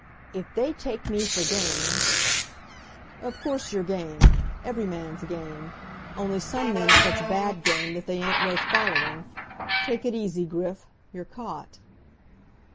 "If they take me for game " "Of course you're game. Every man's game. Only some men are such bad game that they ain't worth following. Take it easy, Griff; you're caught."